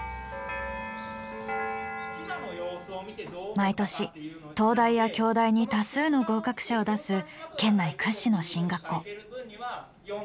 毎年東大や京大に多数の合格者を出す県内屈指の進学校。